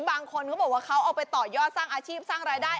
บางคนเขาบอกว่าเขาเอาไปต่อยอดสร้างอาชีพสร้างรายได้